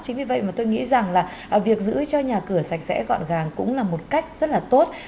chính vì vậy mà tôi nghĩ rằng là việc giữ cho nhà cửa sạch sẽ gọn gàng cũng là một cách rất là tốt